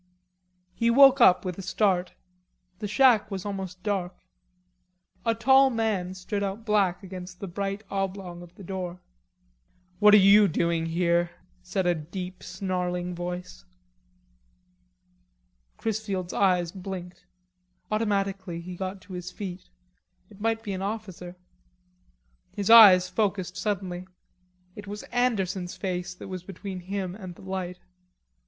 He woke up with a start. The shack was almost dark. A tall man stood out black against the bright oblong of the door. "What are you doing here?" said a deep snarling voice. Chrisfield's eyes blinked. Automatically he got to his feet; it might be an officer. His eyes focussed suddenly. It was Anderson's face that was between him and the light.